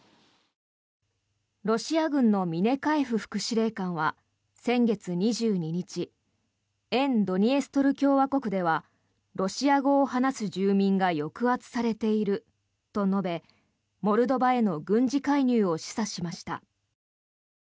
ロシア軍のミネカエフ副司令官は先月２２日沿ドニエストル共和国ではロシア語を話す住民が抑圧されていると述べモルドバへの軍事介入を示唆しました。